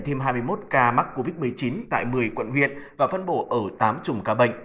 thêm hai mươi một ca mắc covid một mươi chín tại một mươi quận huyện và phân bổ ở tám chùm ca bệnh